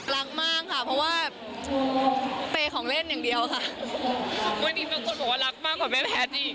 รักมากค่ะเพราะว่าเตยของเล่นอย่างเดียวค่ะ